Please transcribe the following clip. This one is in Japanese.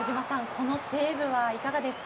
このセーブはいかがですか？